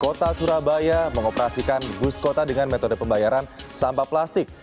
kota surabaya mengoperasikan bus kota dengan metode pembayaran sampah plastik